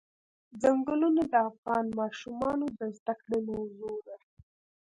ځنګلونه د افغان ماشومانو د زده کړې موضوع ده.